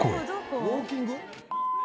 「ウォーキング？」